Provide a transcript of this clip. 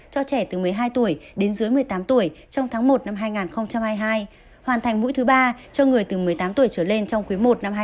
cho trẻ từ một mươi hai tuổi đến dưới một mươi tám tuổi trong tháng một năm hai nghìn hai mươi hai hoàn thành mũi thứ ba cho người từ một mươi tám tuổi trở lên trong quý i năm hai nghìn hai mươi bốn